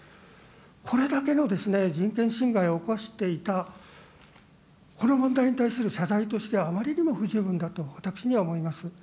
これだけの人権侵害を起こしていた、この問題に対する謝罪としてはあまりにも不十分だと、私には思います。